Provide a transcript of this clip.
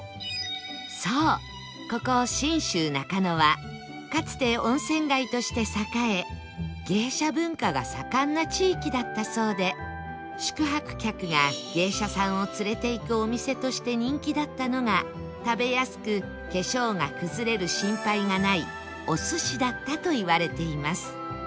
そうここ信州中野はかつて温泉街として栄え芸者文化が盛んな地域だったそうで宿泊客が芸者さんを連れて行くお店として人気だったのが食べやすく化粧が崩れる心配がないお寿司だったといわれています